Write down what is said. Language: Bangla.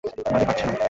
মানে পারছে না।